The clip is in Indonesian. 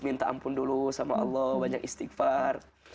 minta ampun dulu sama allah banyak istighfar